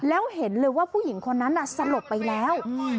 แล้วเห็นเลยว่าผู้หญิงคนนั้นสลบไปแล้ว